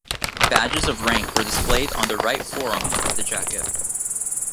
Badges of rank were displayed on the right forearm of the jacket.